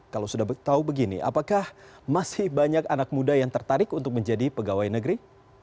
kalau sudah tahu begini apakah masih banyak anak muda yang tertarik untuk menjadi pegawai negeri